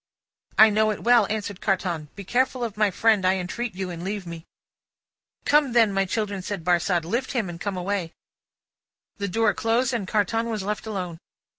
"I know it well," answered Carton. "Be careful of my friend, I entreat you, and leave me." "Come, then, my children," said Barsad. "Lift him, and come away!" The door closed, and Carton was left alone.